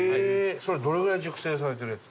それはどれぐらい熟成されているやつ？